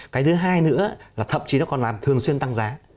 cái thứ hai nữa là thậm chí nó còn làm thường xuyên tăng giá